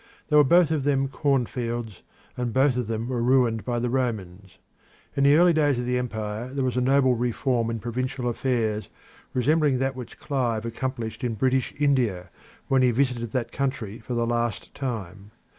They were both of them cornfields, and both of them were ruined by the Romans. In the early days of the empire there was a noble reform in provincial affairs resembling that which Clive accomplished in British India when he visited that country for the last time.